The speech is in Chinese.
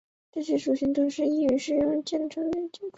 这些属性都是在一个易于使用的编程接口下提供的。